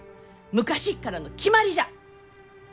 昔っからの決まりじゃ！